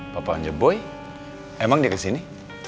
papanya boy emang dia kesini